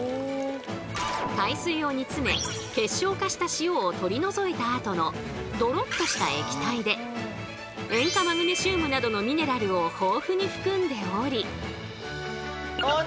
海水を煮詰め結晶化した塩を取り除いたあとのドロッとした液体で塩化マグネシウムなどのミネラルを豊富に含んでおり。